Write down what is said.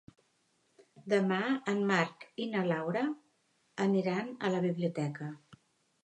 Demà en Marc i na Laura aniran a la biblioteca.